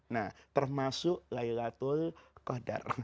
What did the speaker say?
nah termasuk laylatul qadar